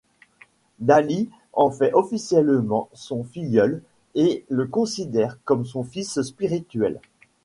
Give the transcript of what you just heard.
Dali en fait officiellement son filleul et le considère comme son fils spirituel.